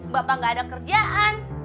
bapak gak ada kerjaan